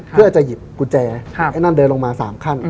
เพื่อจะหยิบกุญแจไอ้นั่นเดินลงมา๓ขั้น